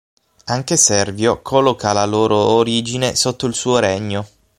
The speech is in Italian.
Anche Servio colloca la loro origine sotto il suo regno.